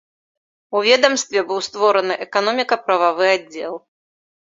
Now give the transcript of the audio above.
У ведамстве быў створаны эканоміка-прававы аддзел.